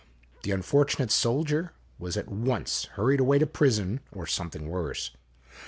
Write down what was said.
The unfortunate soldier was at once O hurried away to prison, or something worse.